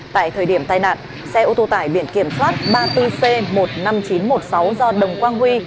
tại thời điểm tai nạn xe ô tô tải biển kiểm soát ba mươi bốn c một mươi năm nghìn chín trăm một mươi sáu do đồng quang huy